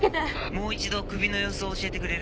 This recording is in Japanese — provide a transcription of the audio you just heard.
もう一度首の様子を教えてくれる？